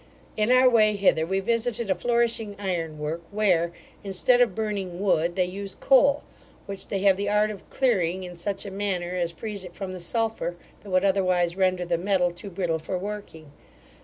In our way hither we visited a flourishing iron work, where, instead of burning wood, they use coal, which they have the art of clearing in such a manner as frees it from the sulphur, that would otherwise render the metal too brittle for working.